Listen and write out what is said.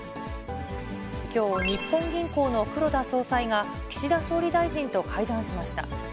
きょう、日本銀行の黒田総裁が、岸田総理大臣と会談しました。